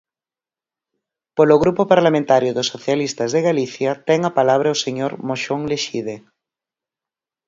Polo Grupo Parlamentario dos Socialistas de Galicia, ten a palabra o señor Moxón Lexide.